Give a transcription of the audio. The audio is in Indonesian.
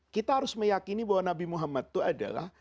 kita harus meyakini bahwa nabi muhammad itu adalah